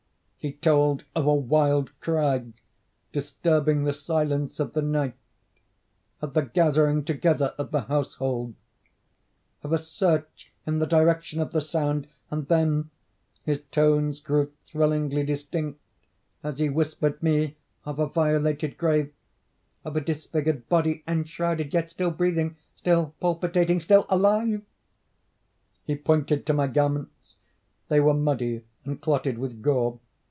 He told of a wild cry disturbing the silence of the night—of the gathering together of the household—of a search in the direction of the sound; and then his tones grew thrillingly distinct as he whispered me of a violated grave—of a disfigured body enshrouded, yet still breathing—still palpitating—still alive! He pointed to garments;—they were muddy and clotted with gore.